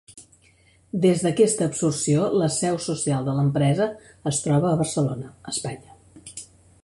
Des d'aquesta absorció, la seu social de l'empresa es troba a Barcelona (Espanya).